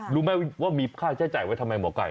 รู้ไหมว่ามีค่าใช้จ่ายไว้ทำไมหมอไก่